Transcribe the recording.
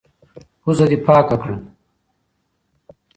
پېزه دي پاکه کړه.